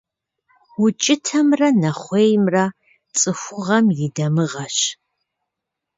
УкIытэмрэ нэхъуеймрэ цIыхугъэм и дамыгъэщ.